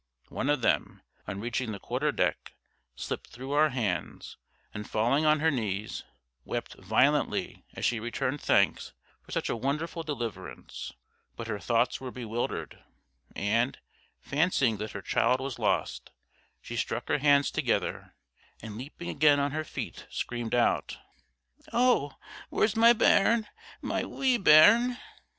One of them, on reaching the quarterdeck, slipped through our hands, and falling on her knees, wept violently as she returned thanks for such a wonderful deliverance; but her thoughts were bewildered, and, fancying that her child was lost, she struck her hands together, and leaping again on her feet, screamed out, "Oh! where's my bairn my wee bairn?"